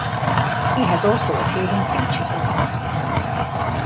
He has also appeared in feature films.